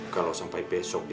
kalau sampai besok